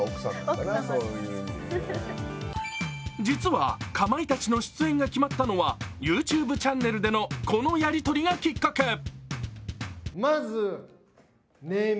実は、かまいたちの出演が決まったのはＹｏｕＴｕｂｅチャンネルでのこのやり取りがきっかけ。